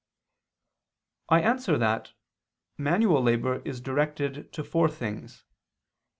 I answer that, Manual labor is directed to four things.